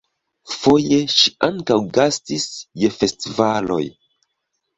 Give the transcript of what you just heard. Foje ŝi ankaŭ gastis je festivaloj.